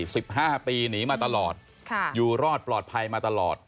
สิบห้าปีหนีมาตลอดค่ะอยู่รอดปลอดภัยมาตลอด